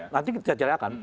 nanti kita tanyakan